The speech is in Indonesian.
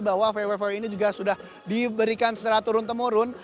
bahwa vw vw ini juga sudah diberikan secara turun temurun